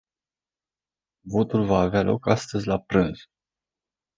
Votul va avea loc astăzi la prânz.